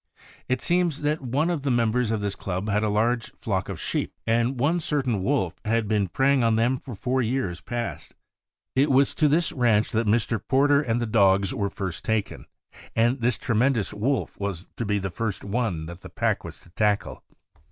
It seems that one of the members of this club had a large flock of sheep, and one certain wolf had been preying on them for four years past. It was to this ranch that Mr. Porter and the dogs were first taken, and this tremendous wolf was to be the first one that the pack was to tackle.